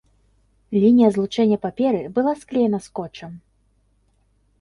Лінія злучэння паперы была склеена скотчам.